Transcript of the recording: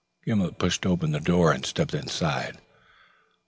Gimblet pushed open the door and stepped inside.